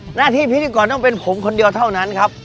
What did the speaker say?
หน้าที่พิธีกรต้องเป็นผมคนเดียวเท่านั้นครับ